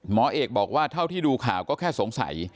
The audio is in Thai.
หมอเอกบอกว่าเท่าที่ดูข่าวก็แค่สงสัย